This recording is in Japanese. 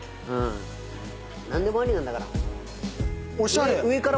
何でもありなんだから。